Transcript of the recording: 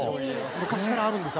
昔からあるんです